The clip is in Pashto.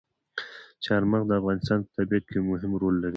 چار مغز د افغانستان په طبیعت کې یو مهم رول لري.